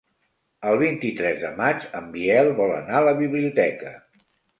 El vint-i-tres de maig en Biel vol anar a la biblioteca.